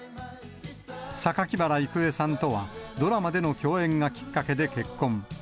榊原郁恵さんとはドラマでの共演がきっかけで結婚。